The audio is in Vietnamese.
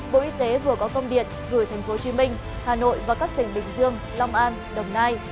bộ y tế vừa có công điện gửi tp hcm hà nội và các tỉnh bình dương long an đồng nai